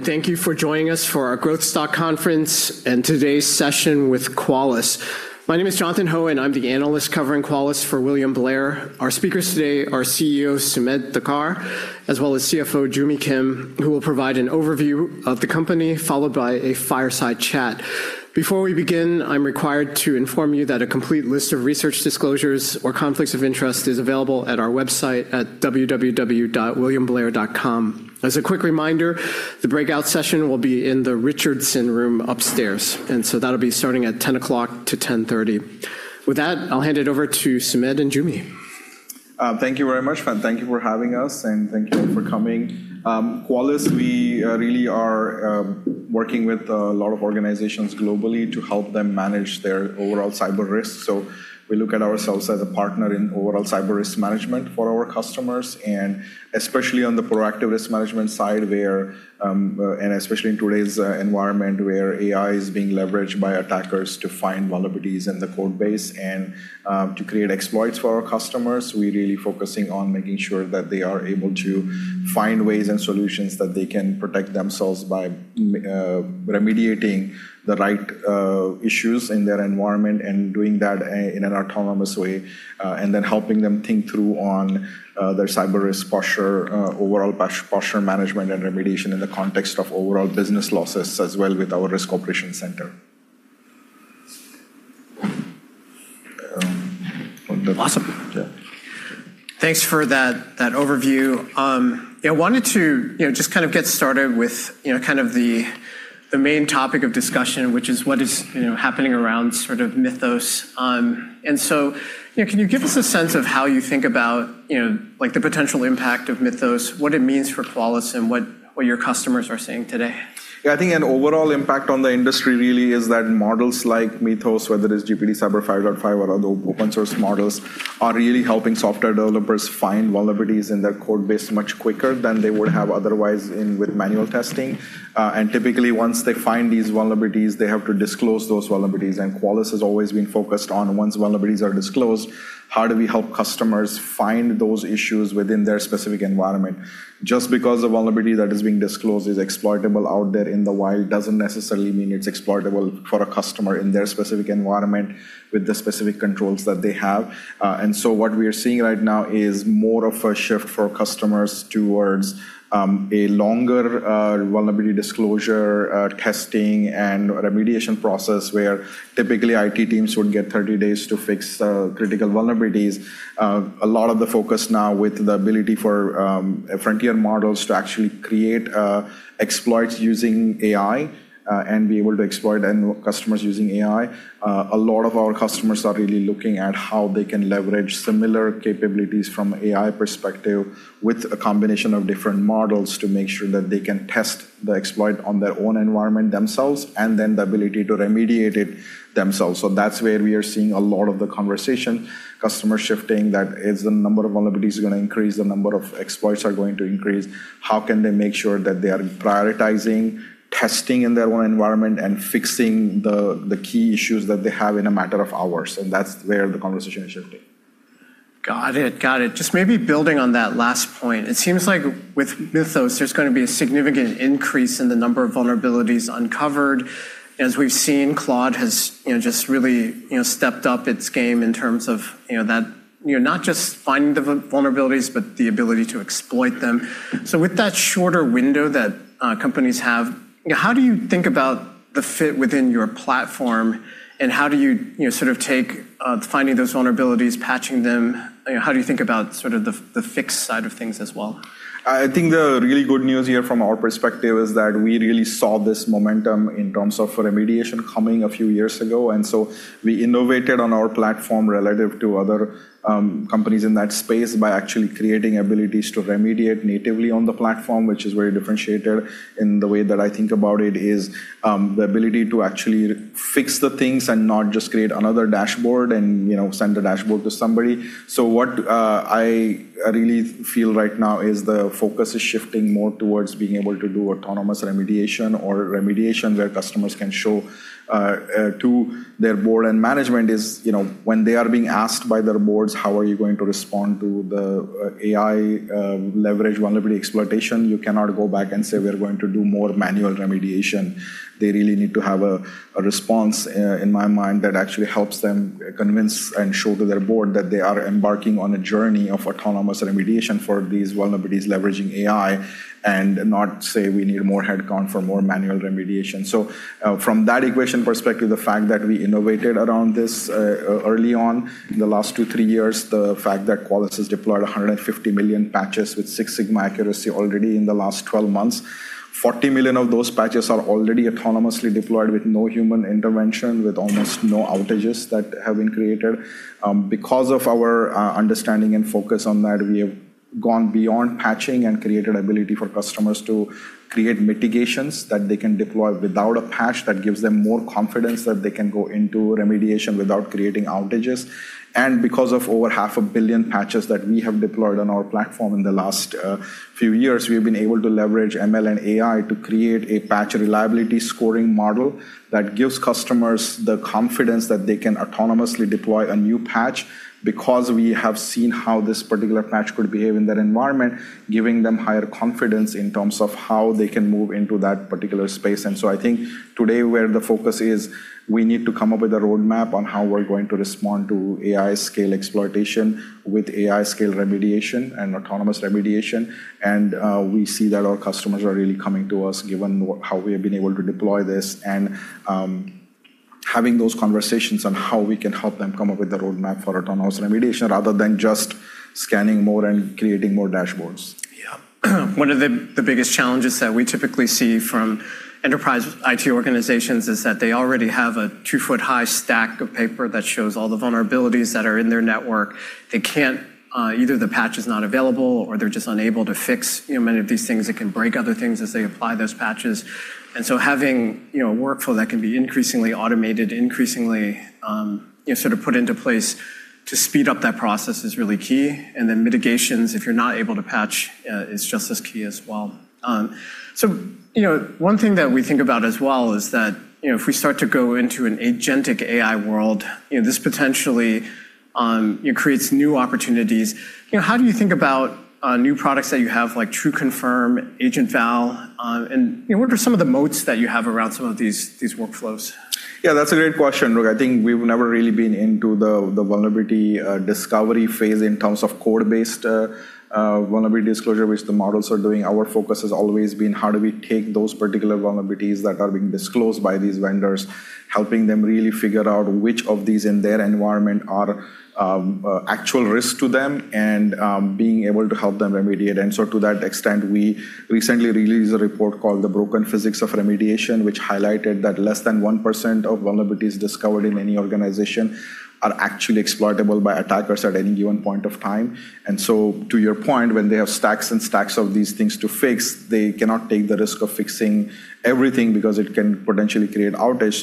Thank you for joining us for our Growth Stock Conference and today's session with Qualys. My name is Jonathan Ho, and I'm the analyst covering Qualys for William Blair. Our speakers today are CEO Sumedh Thakar, as well as CFO Joo Mi Kim, who will provide an overview of the company, followed by a fireside chat. Before we begin, I'm required to inform you that a complete list of research disclosures or conflicts of interest is available at our website at www.williamblair.com. As a quick reminder, the breakout session will be in the Richardson Room upstairs, that'll be starting at 10:00 A.M./10:30 A.M. With that, I'll hand it over to Sumedh and Joo Mi. Thank you very much, and thank you for having us, and thank you for coming. At Qualys, we really are working with a lot of organizations globally to help them manage their overall cyber risk. We look at ourselves as a partner in overall cyber risk management for our customers, and especially on the proactive risk management side, and especially in today's environment, where AI is being leveraged by attackers to find vulnerabilities in the code base and to create exploits for our customers. We're really focusing on making sure that they are able to find ways and solutions that they can protect themselves by remediating the right issues in their environment and doing that in an autonomous way. Then helping them think through on their cyber risk posture, overall posture management and remediation in the context of overall business losses, as well with our Risk Operations Center. Awesome. Yeah. Thanks for that overview. I wanted to just get started with the main topic of discussion, which is what is happening around Mythos. Can you give us a sense of how you think about the potential impact of Mythos, what it means for Qualys, and what your customers are seeing today? Yeah, I think an overall impact on the industry really is that models like Mythos, whether it's GPT-5.5-Cyber or other open source models, are really helping software developers find vulnerabilities in their code base much quicker than they would have otherwise with manual testing. Typically, once they find these vulnerabilities, they have to disclose those vulnerabilities. Qualys has always been focused on, once vulnerabilities are disclosed, how do we help customers find those issues within their specific environment? Just because a vulnerability that is being disclosed is exploitable out there in the wild doesn't necessarily mean it's exploitable for a customer in their specific environment with the specific controls that they have. What we are seeing right now is more of a shift for customers towards a longer vulnerability disclosure testing and remediation process, where typically IT teams would get 30 days to fix critical vulnerabilities. A lot of the focus now with the ability for frontier models to actually create exploits using AI, and be able to exploit end customers using AI. A lot of our customers are really looking at how they can leverage similar capabilities from an AI perspective with a combination of different models to make sure that they can test the exploit on their own environment themselves, and then the ability to remediate it themselves. That's where we are seeing a lot of the conversation, customer shifting, that as the number of vulnerabilities is going to increase, the number of exploits are going to increase. How can they make sure that they are prioritizing testing in their own environment and fixing the key issues that they have in a matter of hours? That's where the conversation is shifting. Got it. Just maybe building on that last point, it seems like with Mythos, there's going to be a significant increase in the number of vulnerabilities uncovered. As we've seen, Claude has just really stepped up its game in terms of not just finding the vulnerabilities, but the ability to exploit them. With that shorter window that companies have, how do you think about the fit within your platform, and how do you take finding those vulnerabilities, patching them, how do you think about the fix side of things as well? I think the really good news here from our perspective is that we really saw this momentum in terms of remediation coming a few years ago. We innovated on our platform relative to other companies in that space by actually creating abilities to remediate natively on the platform, which is very differentiated in the way that I think about it, is the ability to actually fix the things and not just create another dashboard and send a dashboard to somebody. What I really feel right now is the focus is shifting more towards being able to do autonomous remediation or remediation where customers can show to their board and management is when they are being asked by their boards, how are you going to respond to the AI leverage vulnerability exploitation? You cannot go back and say, "We're going to do more manual remediation." They really need to have a response, in my mind, that actually helps them convince and show to their board that they are embarking on a journey of autonomous remediation for these vulnerabilities leveraging AI, and not say, "We need more headcount for more manual remediation." From that equation perspective, the fact that we innovated around this early on in the last two to three years. The fact that Qualys has deployed 150 million patches with Six Sigma accuracy already in the last 12 months. 40 million of those patches are already autonomously deployed with no human intervention, with almost no outages that have been created. Because of our understanding and focus on that, we have gone beyond patching and created the ability for customers to create mitigations that they can deploy without a patch that gives them more confidence that they can go into remediation without creating outages. Because of over 500 million patches that we have deployed on our platform in the last few years, we've been able to leverage ML and AI to create a Patch Reliability Score model that gives customers the confidence that they can autonomously deploy a new patch, because we have seen how this particular patch could behave in that environment, giving them higher confidence in terms of how they can move into that particular space. I think today, where the focus is, we need to come up with a roadmap on how we're going to respond to AI scale exploitation with AI scale remediation and autonomous remediation. We see that our customers are really coming to us, given how we have been able to deploy this and having those conversations on how we can help them come up with a roadmap for autonomous remediation, rather than just scanning more and creating more dashboards. Yeah. One of the biggest challenges that we typically see from enterprise IT organizations is that they already have a 2-ft-high stack of paper that shows all the vulnerabilities that are in their network. Either the patch is not available or they're just unable to fix many of these things, it can break other things as they apply those patches. Having a workflow that can be increasingly automated, increasingly put into place to speed up that process is really key. Mitigations, if you're not able to patch, is just as key as well. One thing that we think about as well is that if we start to go into an agentic AI world, this potentially creates new opportunities. How do you think about new products that you have, like TruConfirm, Agent Val, and what are some of the moats that you have around some of these workflows? Yeah, that's a great question, [Jonathan]. I think we've never really been into the vulnerability discovery phase in terms of code-based vulnerability disclosure, which the models are doing. Our focus has always been how do we take those particular vulnerabilities that are being disclosed by these vendors, helping them really figure out which of these in their environment are actual risks to them, and being able to help them remediate. To that extent, we recently released a report called "The Broken Physics of Remediation," which highlighted that less than 1% of vulnerabilities discovered in any organization are actually exploitable by attackers at any given point of time. To your point, when they have stacks and stacks of these things to fix, they cannot take the risk of fixing everything because it can potentially create outage.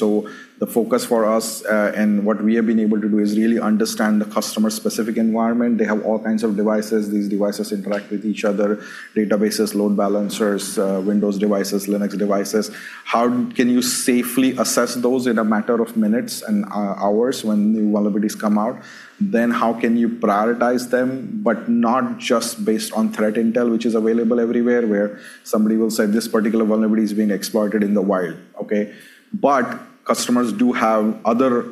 The focus for us, and what we have been able to do, is really understand the customer-specific environment. They have all kinds of devices. These devices interact with each other, databases, load balancers, Windows devices, Linux devices. How can you safely assess those in a matter of minutes and hours when new vulnerabilities come out? How can you prioritize them, but not just based on threat intel, which is available everywhere, where somebody will say, "This particular vulnerability is being exploited in the wild." Okay. Customers do have other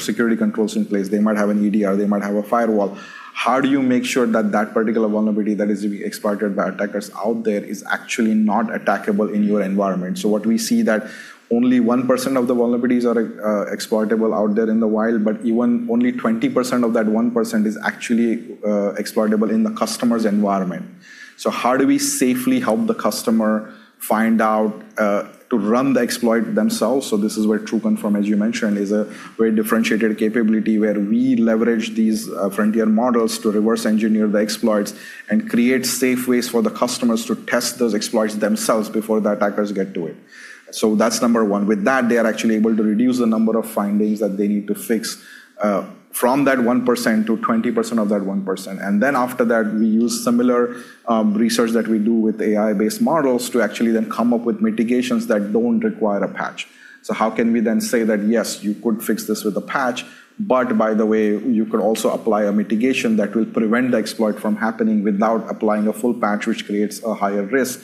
security controls in place. They might have an EDR, they might have a firewall. How do you make sure that that particular vulnerability that is being exploited by attackers out there is actually not attackable in your environment? What we see that only 1% of the vulnerabilities are exploitable out there in the wild, but even only 20% of that 1% is actually exploitable in the customer's environment. How do we safely help the customer find out to run the exploit themselves? This is where TruConfirm, as you mentioned, is a very differentiated capability where we leverage these frontier models to reverse engineer the exploits and create safe ways for the customers to test those exploits themselves before the attackers get to it. That's number one. With that, they are actually able to reduce the number of findings that they need to fix from that 1%-20% of that 1%. After that, we use similar research that we do with AI-based models to actually then come up with mitigations that don't require a patch. How can we then say that, "Yes, you could fix this with a patch, but by the way, you could also apply a mitigation that will prevent the exploit from happening without applying a full patch, which creates a higher risk."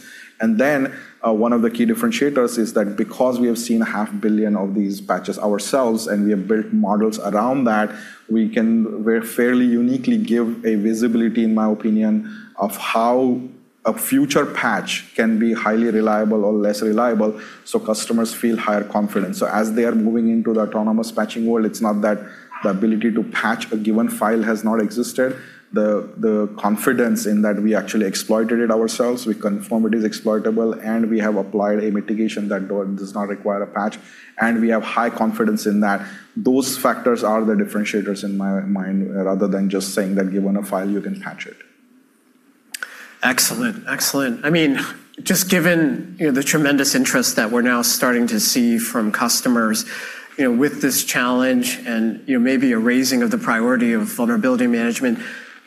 One of the key differentiators is that because we have seen a half billion of these patches ourselves, and we have built models around that, we can fairly uniquely give a visibility, in my opinion, of how a future patch can be highly reliable or less reliable, so customers feel higher confidence. As they are moving into the autonomous patching world, it's not that the ability to patch a given file has not existed. The confidence in that we actually exploited it ourselves, we confirm it is exploitable, and we have applied a mitigation that does not require a patch, and we have high confidence in that. Those factors are the differentiators in my mind, rather than just saying that given a file, you can patch it. Excellent. Just given the tremendous interest that we're now starting to see from customers with this challenge and maybe a raising of the priority of vulnerability management,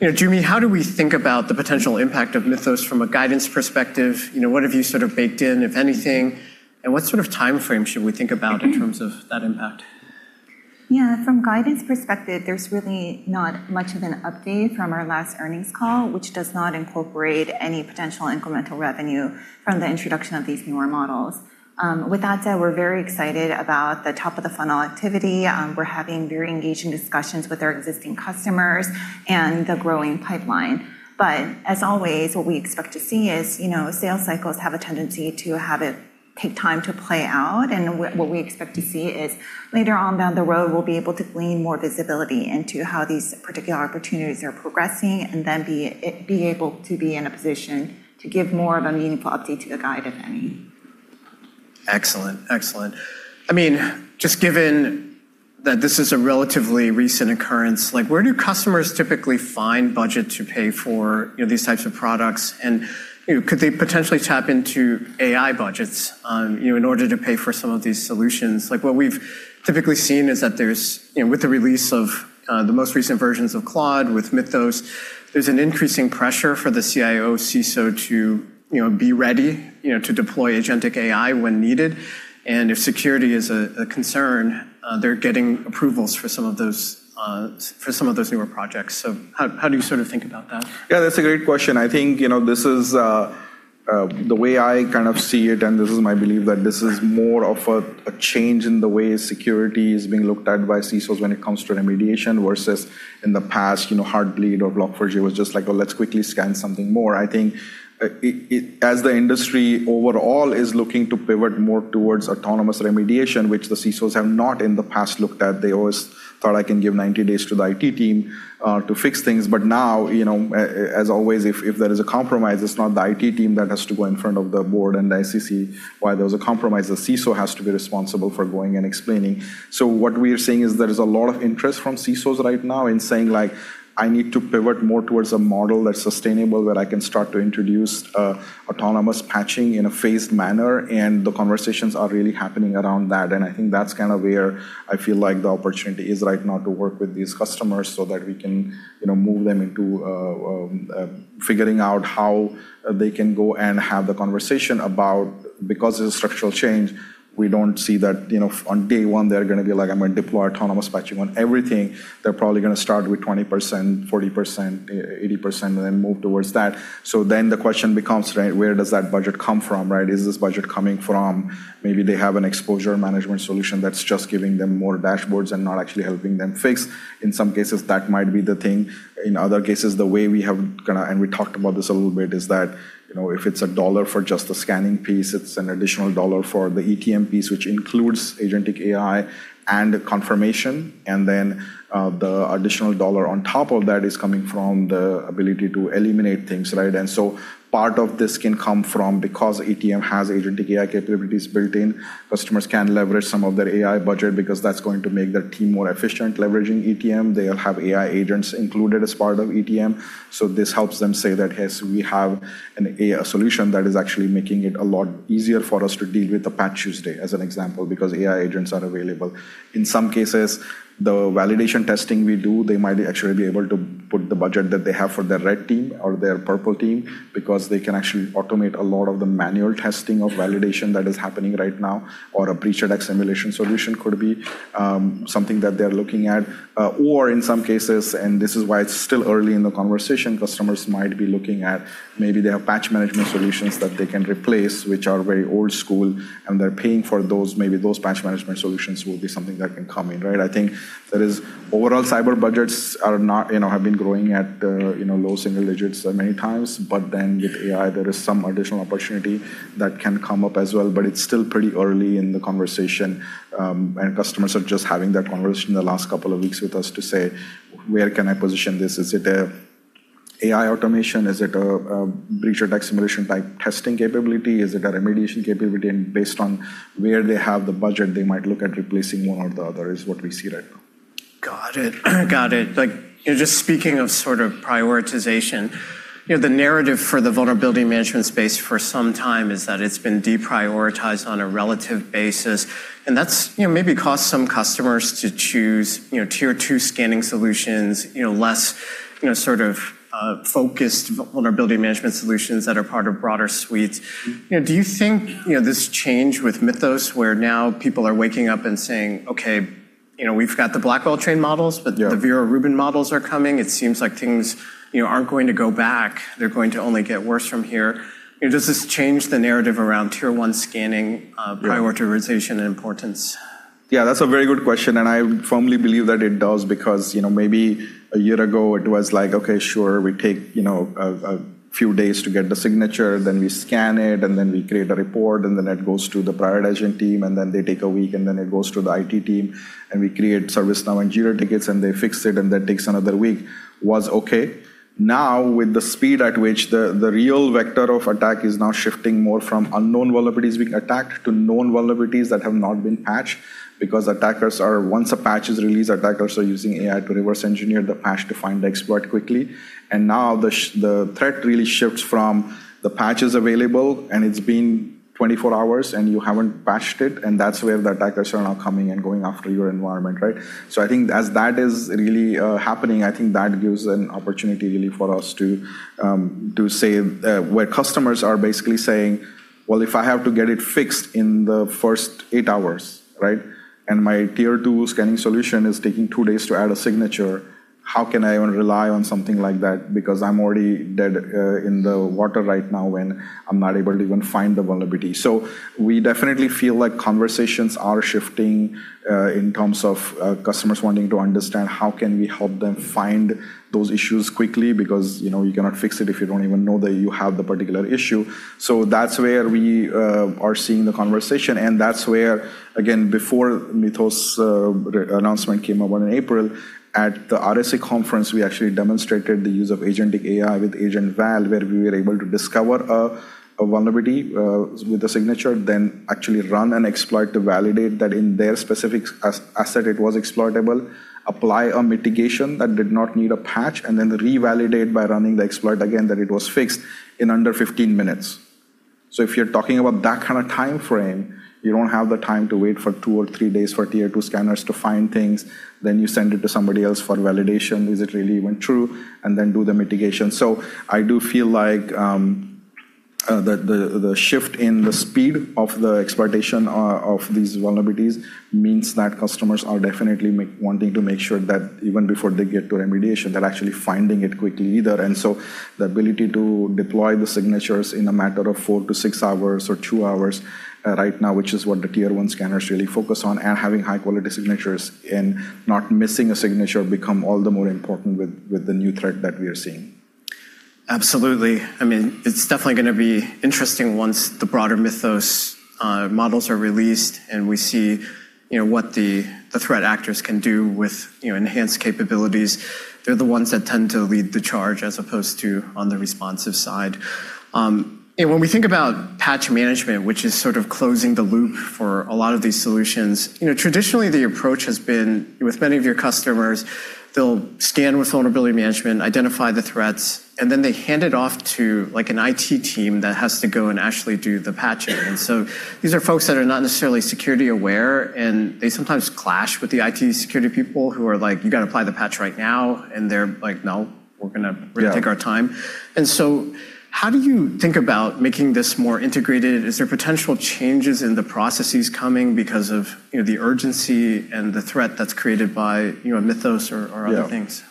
Joo Mi, how do we think about the potential impact of Mythos from a guidance perspective? What have you baked in, if anything, and what sort of timeframe should we think about in terms of that impact? Yeah. From guidance perspective, there's really not much of an update from our last earnings call, which does not incorporate any potential incremental revenue from the introduction of these newer models. We're very excited about the top-of-the-funnel activity. We're having very engaging discussions with our existing customers and the growing pipeline. As always, what we expect to see is sales cycles have a tendency to have it take time to play out. What we expect to see is later on down the road, we'll be able to glean more visibility into how these particular opportunities are progressing and then be able to be in a position to give more of a meaningful update to the guidance, if any. Excellent. Just given that this is a relatively recent occurrence, where do customers typically find budget to pay for these types of products? Could they potentially tap into AI budgets in order to pay for some of these solutions? What we've typically seen is that with the release of the most recent versions of Claude, with Mythos, there's an increasing pressure for the CIO, CISO to be ready to deploy agentic AI when needed. If security is a concern, they're getting approvals for some of those newer projects. How do you think about that? Yeah, that's a great question. The way I see it, and this is my belief, that this is more of a change in the way security is being looked at by CISOs when it comes to remediation versus in the past, Heartbleed or Log4j was just like, let's quickly scan something more. As the industry overall is looking to pivot more towards autonomous remediation, which the CISOs have not in the past looked at. They always thought, I can give 90 days to the IT team to fix things. Now, as always, if there is a compromise, it's not the IT team that has to go in front of the board and the SEC why there was a compromise. The CISO has to be responsible for going and explaining. What we are seeing is there is a lot of interest from CISOs right now in saying, "I need to pivot more towards a model that's sustainable, where I can start to introduce autonomous patching in a phased manner." The conversations are really happening around that, and I think that's where I feel like the opportunity is right now to work with these customers so that we can move them into figuring out how they can go and have the conversation about, because of the structural change, we don't see that on day one, they're going to be like, "I'm going to deploy autonomous patching on everything." They're probably going to start with 20%, 40%, 80%, and then move towards that. The question becomes, where does that budget come from, right? Is this budget coming from maybe they have an exposure management solution that's just giving them more dashboards and not actually helping them fix? In some cases, that might be the thing. In other cases, we talked about this a little bit, is that if it's a dollar for just the scanning piece, it's an additional dollar for the ETM piece, which includes agentic AI and the confirmation. The additional dollar on top of that is coming from the ability to eliminate things, right. Part of this can come from, because ETM has agentic AI capabilities built in, customers can leverage some of their AI budget, because that's going to make their team more efficient, leveraging ETM. They'll have AI agents included as part of ETM. This helps them say that, "Yes, we have an AI solution that is actually making it a lot easier for us to deal with the Patch Tuesday," as an example, because AI agents are available. In some cases, the validation testing we do, they might actually be able to put the budget that they have for their red team or their purple team, because they can actually automate a lot of the manual testing of validation that is happening right now, or a breach and attack simulation solution could be something that they're looking at. In some cases, and this is why it's still early in the conversation, customers might be looking at maybe their patch management solutions that they can replace, which are very old school, and they're paying for those. Maybe those patch management solutions will be something that can come in, right? I think that overall cyber budgets have been growing at low single digits many times. With AI, there is some additional opportunity that can come up as well. It's still pretty early in the conversation. Customers are just having that conversation in the last couple of weeks with us to say, "Where can I position this? Is it a AI automation? Is it a breach attack simulation type testing capability? Is it a remediation capability?" Based on where they have the budget, they might look at replacing one or the other, is what we see right now. Got it. Just speaking of prioritization, the narrative for the vulnerability management space for some time is that it's been deprioritized on a relative basis, and that's maybe caused some customers to choose tier 2 scanning solutions, less focused vulnerability management solutions that are part of broader suites. Do you think this change with Mythos, where now people are waking up and saying, "Okay, we've got the Blackwell-trained models, but the Vera Rubin models are coming. It seems like things aren't going to go back. They're going to only get worse from here." Does this change the narrative around tier 1 scanning prioritization and importance? Yeah, that's a very good question. I firmly believe that it does, because maybe one year ago it was like, okay, sure. We take a few days to get the signature. We scan it. We create a report. That goes to the prioritizing team. They take one week. It goes to the IT team. We create ServiceNow engineer tickets. They fix it. That takes another week, was okay. With the speed at which the real vector of attack is now shifting more from unknown vulnerabilities being attacked to known vulnerabilities that have not been patched. Once a patch is released, attackers are using AI to reverse engineer the patch to find the exploit quickly. Now the threat really shifts from the patch is available and it's been 24 hours and you haven't patched it, and that's where the attackers are now coming and going after your environment, right? I think as that is really happening, I think that gives an opportunity really for us to say where customers are basically saying, "Well, if I have to get it fixed in the first eight hours, right, and my tier 2 scanning solution is taking two days to add a signature, how can I even rely on something like that? Because I'm already dead in the water right now, and I'm not able to even find the vulnerability." We definitely feel like conversations are shifting in terms of customers wanting to understand how can we help them find those issues quickly. Because you cannot fix it if you don't even know that you have the particular issue. That's where we are seeing the conversation, and that's where, again, before Mythos announcement came about in April, at the RSA Conference, we actually demonstrated the use of agentic AI with Agent Val, where we were able to discover a vulnerability with a signature, then actually run an exploit to validate that in their specific asset it was exploitable, apply a mitigation that did not need a patch, and then revalidate by running the exploit again that it was fixed in under 15 minutes. If you're talking about that kind of timeframe, you don't have the time to wait for two or three days for tier 2 scanners to find things. You send it to somebody else for validation, is it really even true? Do the mitigation. I do feel like the shift in the speed of the exploitation of these vulnerabilities means that customers are definitely wanting to make sure that even before they get to remediation, they're actually finding it quickly either. The ability to deploy the signatures in a matter of four to six hours or two hours right now, which is what the tier 1 scanners really focus on, and having high-quality signatures and not missing a signature become all the more important with the new threat that we are seeing. Absolutely. It's definitely going to be interesting once the broader Mythos models are released. We see what the threat actors can do with enhanced capabilities. They're the ones that tend to lead the charge as opposed to on the responsive side. When we think about patch management, which is sort of closing the loop for a lot of these solutions, traditionally the approach has been with many of your customers, they'll scan with vulnerability management, identify the threats. Then they hand it off to an IT team that has to go and actually do the patching. These are folks that are not necessarily security aware. They sometimes clash with the IT security people who are like, "You got to apply the patch right now." They're like, "No, we're going to take our time." Yeah. How do you think about making this more integrated? Is there potential changes in the processes coming because of the urgency and the threat that is created by Mythos or other things?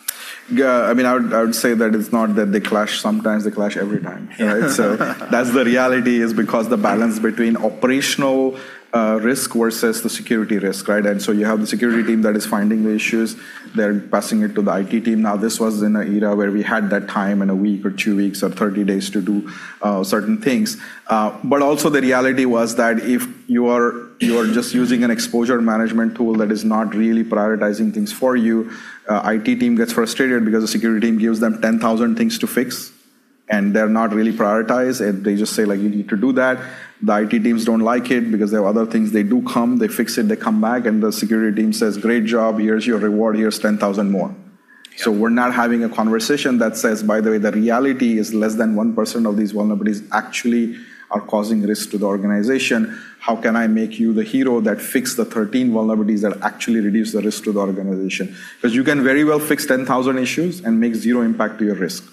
Yeah. I would say that it's not that they clash sometimes. They clash every time, right? That's the reality is because the balance between operational risk versus the security risk, right? You have the security team that is finding the issues. They're passing it to the IT team. Now, this was in an era where we had that time and a week or two weeks or 30 days to do certain things. Also the reality was that if you are just using an exposure management tool that is not really prioritizing things for you, IT team gets frustrated because the security team gives them 10,000 things to fix, and they're not really prioritized. They just say, "You need to do that." The IT teams don't like it because there are other things they do come, they fix it, they come back, and the security team says, "Great job. Here's your reward. Here's 10,000 more." We're now having a conversation that says, "By the way, the reality is less than 1% of these vulnerabilities actually are causing risk to the organization. How can I make you the hero that fixed the 13 vulnerabilities that actually reduce the risk to the organization?" You can very well fix 10,000 issues and make zero impact to your risk,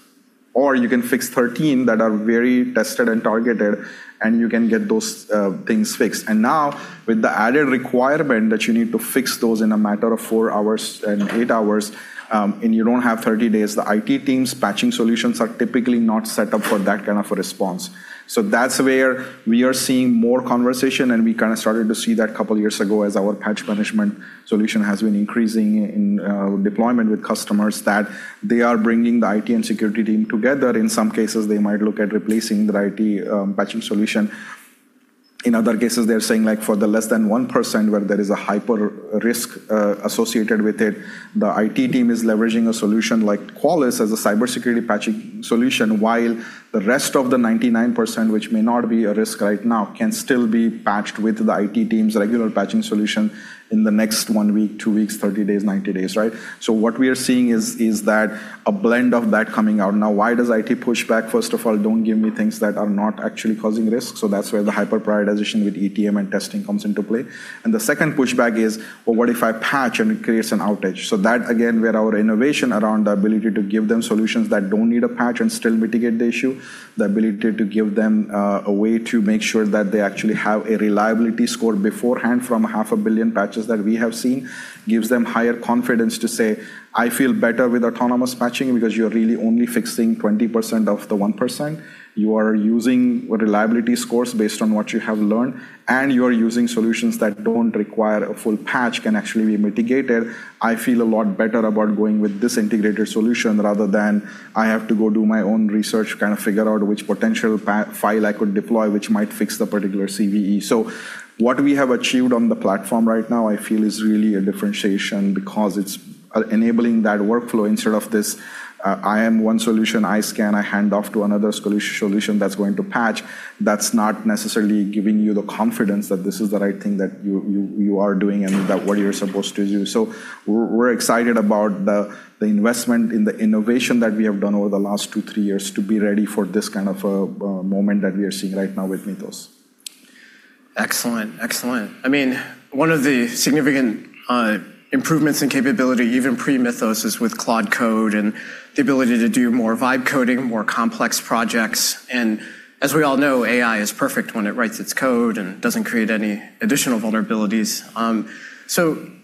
or you can fix 13 that are very tested and targeted, and you can get those things fixed. Now with the added requirement that you need to fix those in a matter of four hours and eight hours, and you don't have 30 days, the IT teams' patching solutions are typically not set up for that kind of a response. That's where we are seeing more conversation, and we kind of started to see that a couple of years ago as our patch management solution has been increasing in deployment with customers, that they are bringing the IT and security team together. In some cases, they might look at replacing their IT patching solution. In other cases, they're saying for the less than 1% where there is a hyper risk associated with it, the IT team is leveraging a solution like Qualys as a cybersecurity patching solution, while the rest of the 99%, which may not be a risk right now, can still be patched with the IT team's regular patching solution in the next one week, two weeks, 30 days, and 90 days, right? What we are seeing is that a blend of that coming out. Why does IT push back? First of all, don't give me things that are not actually causing risk. That's where the hyper prioritization with ETM and testing comes into play. The second pushback is, "Well, what if I patch and it creates an outage?" That, again, where our innovation around the ability to give them solutions that don't need a patch and still mitigate the issue, the ability to give them a way to make sure that they actually have a reliability score beforehand from half a billion patches that we have seen, gives them higher confidence to say, "I feel better with autonomous patching because you're really only fixing 20% of the 1%. You are using reliability scores based on what you have learned, and you are using solutions that don't require a full patch can actually be mitigated. I feel a lot better about going with this integrated solution rather than I have to go do my own research, kind of figure out which potential file I could deploy, which might fix the particular CVE. What we have achieved on the platform right now, I feel is really a differentiation because it's enabling that workflow instead of this, I am one solution, I scan, I hand off to another solution that's going to patch. That's not necessarily giving you the confidence that this is the right thing that you are doing and that what you're supposed to do. We're excited about the investment in the innovation that we have done over the last two, three years to be ready for this kind of a moment that we are seeing right now with Mythos. Excellent. One of the significant improvements in capability, even pre-Mythos, is with Claude Code and the ability to do more vibe coding, more complex projects. As we all know, AI is perfect when it writes its code and doesn't create any additional vulnerabilities.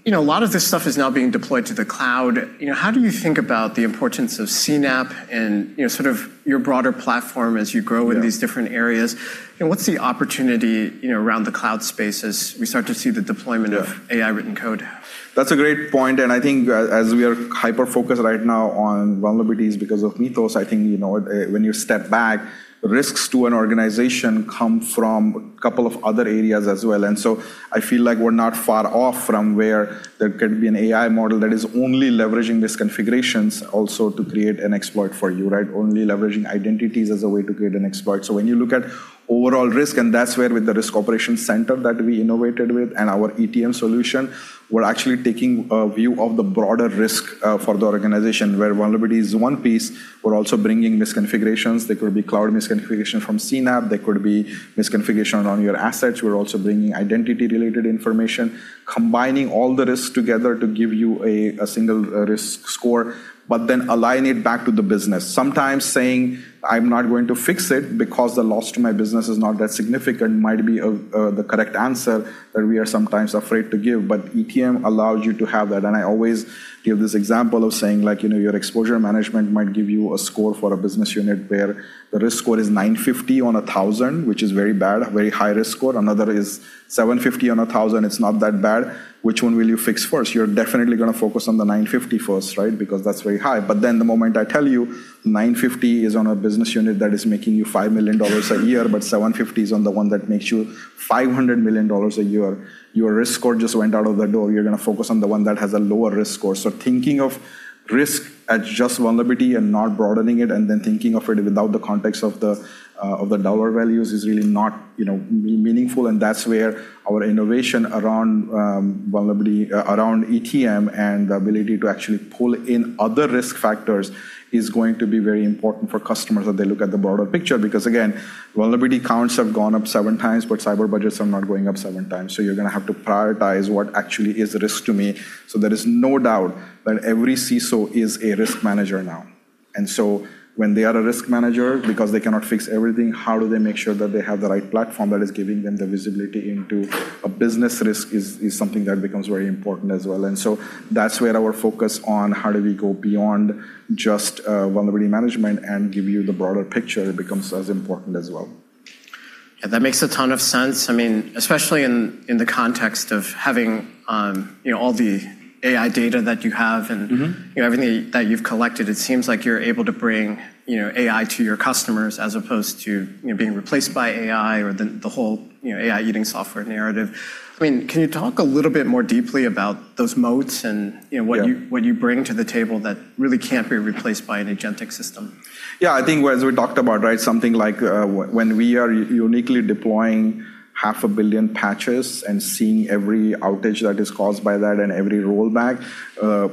A lot of this stuff is now being deployed to the cloud. How do you think about the importance of CNAPP and sort of your broader platform as you grow in these different areas? What's the opportunity around the cloud space as we start to see the deployment of AI-written code? That's a great point, and I think as we are hyper-focused right now on vulnerabilities because of Mythos, I think when you step back, risks to an organization come from a couple of other areas as well. I feel like we're not far off from where there can be an AI model that is only leveraging these configurations also to create an exploit for you. Only leveraging identities as a way to create an exploit. When you look at overall risk, and that's where with the Risk Operations Center that we innovated with and our ETM solution, we're actually taking a view of the broader risk for the organization where vulnerability is one piece. We're also bringing misconfigurations. They could be cloud misconfiguration from CNAPP, they could be misconfiguration around your assets. We're also bringing identity-related information, combining all the risks together to give you a single risk score, align it back to the business. Sometimes saying, "I'm not going to fix it because the loss to my business is not that significant," might be the correct answer that we are sometimes afraid to give. ETM allows you to have that. I always give this example of saying, your exposure management might give you a score for a business unit where the risk score is 950 on 1,000, which is very bad, a very high-risk score. Another is 750 on 1,000, it's not that bad. Which one will you fix first? You're definitely going to focus on the 950 first, because that's very high. The moment I tell you 950 is on a business unit that is making you $5 million a year, 750 is on the one that makes you $500 million a year, your risk score just went out of the door. You're going to focus on the one that has a lower risk score. Thinking of risk as just vulnerability and not broadening it, and then thinking of it without the context of the dollar values is really not meaningful, and that's where our innovation around ETM and the ability to actually pull in other risk factors is going to be very important for customers as they look at the broader picture. Again, vulnerability counts have gone up seven times, but cyber budgets are not going up seven times. You're going to have to prioritize what actually is a risk to me. There is no doubt that every CISO is a risk manager now. When they are a risk manager, because they cannot fix everything, how do they make sure that they have the right platform that is giving them the visibility into a business risk is something that becomes very important as well. That's where our focus on how do we go beyond just vulnerability management and give you the broader picture becomes as important as well. Yeah, that makes a ton of sense. Especially in the context of having all the AI data that you have. everything that you've collected, it seems like you're able to bring AI to your customers as opposed to being replaced by AI or the whole AI eating software narrative. Can you talk a little bit more deeply about those moats? Yeah. What you bring to the table that really can't be replaced by an agentic system? Yeah, I think as we talked about, something like when we are uniquely deploying 500 million patches and seeing every outage that is caused by that and every rollback,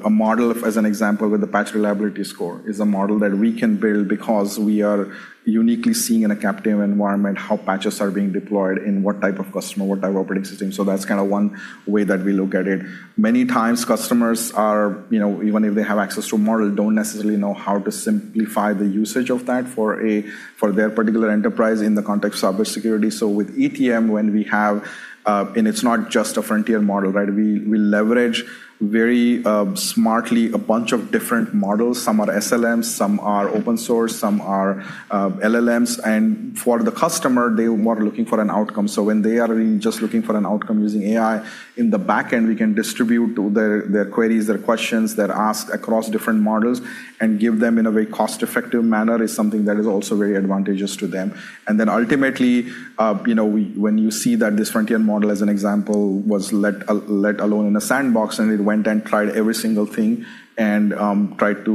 a model, as an example, with the Patch Reliability Score, is a model that we can build because we are uniquely seeing in a captive environment how patches are being deployed in what type of customer, what type of operating system. That's one way that we look at it. Many times, customers are, even if they have access to a model, don't necessarily know how to simplify the usage of that for their particular enterprise in the context of cyber security. With ETM, it's not just a frontier model. We leverage very smartly a bunch of different models. Some are SLMs, some are open source, some are LLMs. For the customer, they were looking for an outcome. When they are really just looking for an outcome using AI, in the back end, we can distribute their queries, their questions, their asks across different models and give them in a very cost-effective manner, is something that is also very advantageous to them. Ultimately, when you see that this Frontier model, as an example, was let alone in a sandbox, and it went and tried every single thing and tried to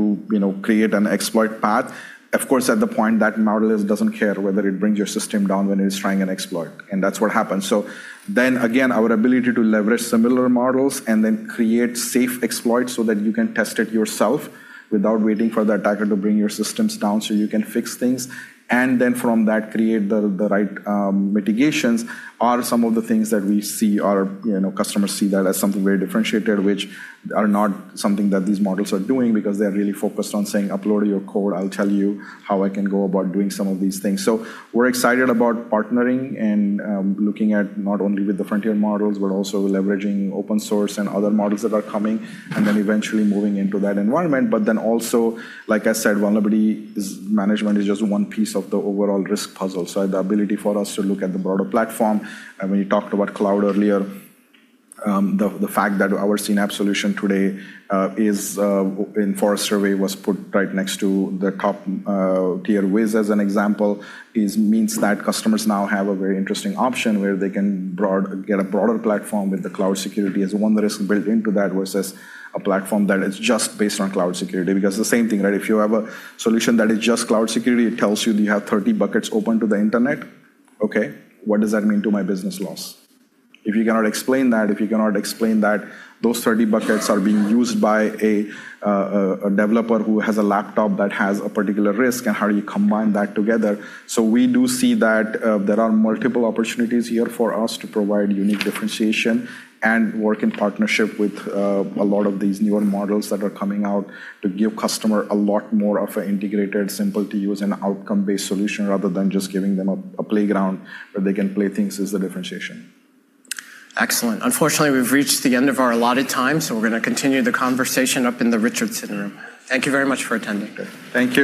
create an exploit path. Of course, at the point, that model doesn't care whether it brings your system down when it is trying an exploit, and that's what happens. Again, our ability to leverage similar models and then create safe exploits so that you can test it yourself without waiting for the attacker to bring your systems down, so you can fix things, and then from that, create the right mitigations, are some of the things that we see our customers see that as something very differentiated, which are not something that these models are doing because they're really focused on saying, "Upload your code, I'll tell you how I can go about doing some of these things." We're excited about partnering and looking at not only with the frontier models, but also leveraging open source and other models that are coming, and then eventually moving into that environment. Also, like I said, vulnerability management is just one piece of the overall risk puzzle. The ability for us to look at the broader platform, and when you talked about cloud earlier, the fact that our CNAPP solution today in the Forrester Wave was put right next to the top-tier Wiz, as an example, means that customers now have a very interesting option where they can get a broader platform with the cloud security as one that is built into that versus a platform that is just based on cloud security. The same thing, if you have a solution that is just cloud security, it tells you that you have 30 buckets open to the internet. What does that mean to my business loss? If you cannot explain that, those 30 buckets are being used by a developer who has a laptop that has a particular risk, and how do you combine that together? We do see that there are multiple opportunities here for us to provide unique differentiation and work in partnership with a lot of these newer models that are coming out to give customer a lot more of an integrated, simple to use, and outcome-based solution, rather than just giving them a playground where they can play things as the differentiation. Excellent. Unfortunately, we've reached the end of our allotted time, so we're going to continue the conversation up in the Richardson Room. Thank you very much for attending. Thank you.